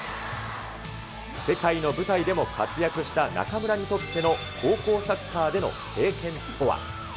世界の舞台でも活躍した中村にとっての高校サッカーでの経験とは。